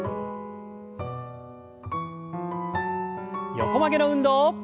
横曲げの運動。